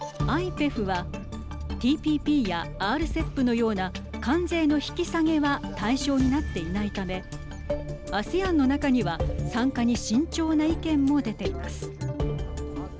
ただ、ＩＰＥＦはＴＰＰやＲＣＥＰのような関税の引き下げは対象になっていないためＡＳＥＡＮの中には参加に慎重な意見も出ています。